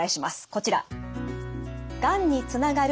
こちら。